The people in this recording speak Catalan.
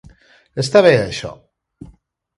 Està bé, això.